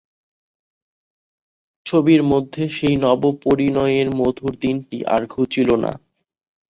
ছবির মধ্যে সেই নবপরিণয়ের মধুর দিনটি আর ঘুচিল না।